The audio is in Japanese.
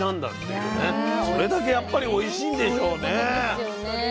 それだけやっぱりおいしいんでしょうね。